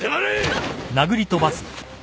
あっ！